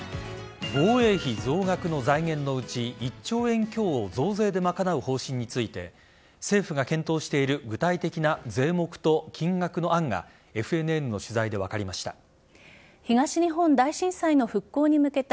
防衛費増額の財源のうち１兆円強を増税で賄う方針について政府が検討している具体的な税目と金額の案がＦＮＮの取材で分かりました。